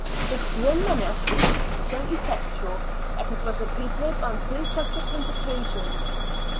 This grim menace proved so effectual that it was repeated on two subsequent occasions.